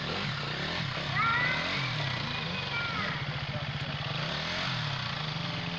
わあツルツルめんめだ！